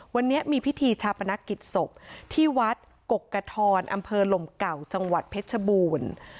วันนี้มีพิธีชาปนกิจศพที่วัดกกทรอำเภอลมเก่าจังหวัดเพชรบูรณ์